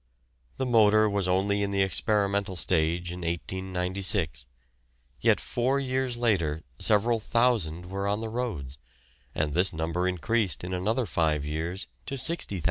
The motor was only in the experimental stage in 1896, yet four years later several thousand were on the roads, and this number increased in another five years to 60,000.